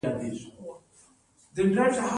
زړه د بدن د ژوند ساتونکی دی.